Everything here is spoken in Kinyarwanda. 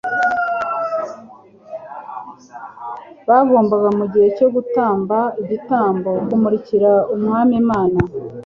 bagombaga mu gihe cyo gutamba igitambo, kumumurikira Umwami Imana'.